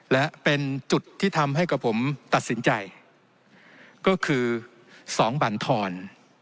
และเป็นจุดที่ทำให้กับผมตัดสินใจก็คือ๒บรรทร